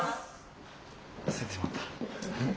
忘れてしまった。